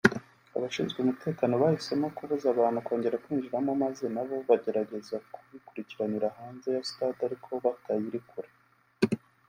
abashinzwe umutekano bahisemo kubuza abantu kongera kwinjiramo maze nabo bagerageza kubikurikiranira hanze ya Stade ariko batayiri kure